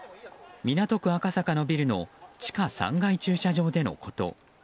港区赤坂のビルの地下３階駐車場でのこと。